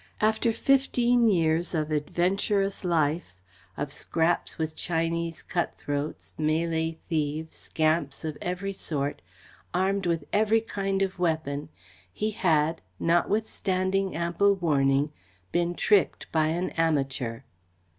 After fifteen years of adventurous life, of scraps with Chinese cutthroats, Malay thieves, scamps of every sort, armed with every kind of weapon, he had, notwithstanding ample warning, been tricked by an amateur.